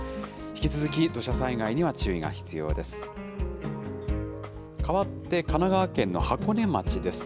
引き続き土砂災害には注意が必要です。